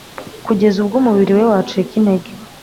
kugeza ubwo umubiri we wacika intege.